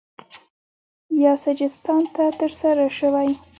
یا سجستان ته ترسره شوی